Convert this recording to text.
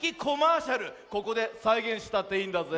ここでさいげんしたっていいんだぜ。